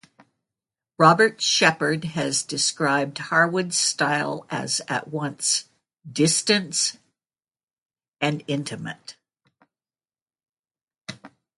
Robert Sheppard has described Harwood's style as at once 'distanced and intimate'.